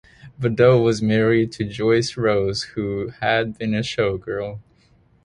Beddoe was married to Joyce Rose, who had been a showgirl.